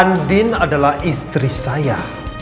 andin adalah istri saya